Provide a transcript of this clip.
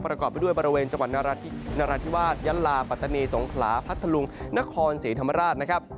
ประกอบไปด้วยบริเวณจังหวัดนราธิวาสยะลาปัตตานีสงขลาพัทธลุงนครศรีธรรมราชนะครับ